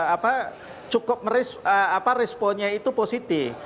apa cukup responnya itu positif